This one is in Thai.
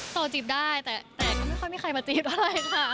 ต่อจีบได้แต่ก็ไม่ค่อยมีใครมาจี๊ดอะไรค่ะ